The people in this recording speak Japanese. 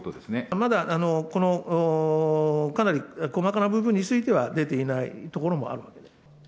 まだこのかなり細かな部分については出ていないところもあるわけです。